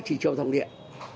chỉ chiều thẳng điện